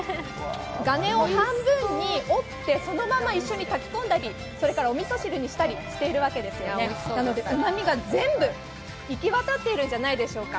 ガネを半分に折って、そのまま一緒に炊き込んだり、それからおみそ汁にしているわけです、なのでうまみが全部行き渡っているんではないでしょうか。